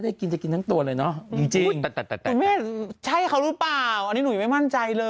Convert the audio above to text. อันหน่อยที่เป็นมั่นใจ